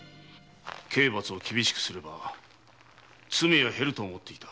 刑罰を厳しくすれば罪は減ると思っていた。